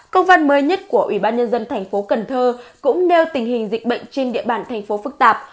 công văn mới nhất của ủy ban nhân dân thành phố cần thơ cũng nêu tình hình dịch bệnh trên địa bàn thành phố phức tạp